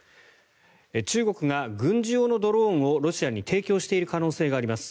中国が軍事用のドローンをロシアに提供している可能性があります。